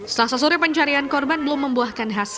selasa sore pencarian korban belum membuahkan hasil